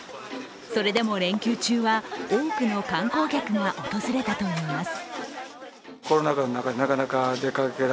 それでも連休中は、多くの観光客が訪れたといいます。